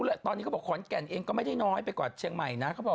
แหละตอนนี้เขาบอกขอนแก่นเองก็ไม่ได้น้อยไปกว่าเชียงใหม่นะเขาบอก